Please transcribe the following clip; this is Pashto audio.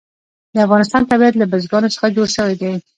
د افغانستان طبیعت له بزګانو څخه جوړ شوی دی.